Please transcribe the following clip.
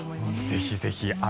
ぜひぜひ。